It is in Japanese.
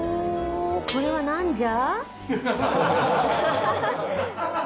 これはなんじゃ？